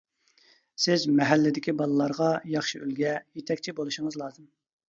سىز مەھەللىدىكى بالىلارغا ياخشى ئۈلگە، يېتەكچى بولۇشىڭىز لازىم.